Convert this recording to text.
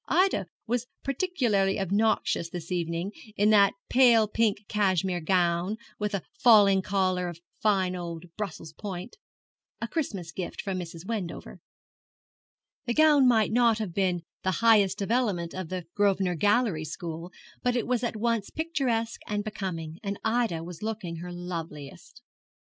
Ida was particularly obnoxious this evening, in that pale pink cashmere gown, with a falling collar of fine old Brussels point, a Christmas gift from Mrs. Wendover. The gown might not be the highest development of the Grosvenor Gallery school, but it was at once picturesque and becoming, and Ida was looking her loveliest.